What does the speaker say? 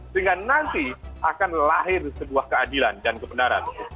sehingga nanti akan lahir sebuah keadilan dan kebenaran